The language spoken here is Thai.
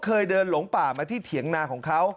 เคยเดินหลงป่ามาที่เถียงนาของเขา